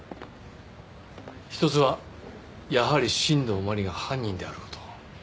一つはやはり新道真理が犯人である事。